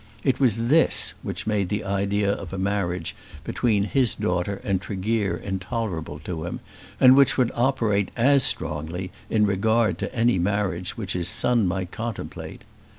It was this which made the idea of a marriage between his daughter and Tregear intolerable to him, and which would operate as strongly in regard to any marriage which his son might contemplate.